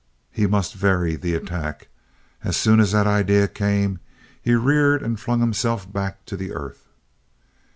He must vary the attack. As soon as that idea came, he reared and flung himself back to the earth.